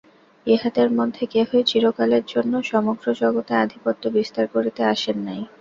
ইঁহাদের মধ্যে কেহই চিরকালের জন্য সমগ্র জগতে আধিপত্য বিস্তার করিতে আসেন নাই।